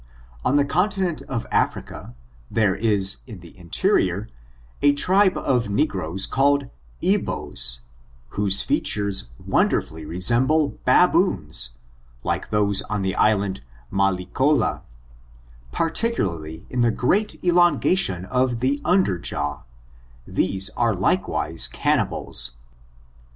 On the continent of Africa, there is in the interior a tribe of negroes, called Eboes, whose features won derfully resemble baboons, like those on the island Mallicola, particularly in the great elongation of the under jaw; these are likewise cannibals.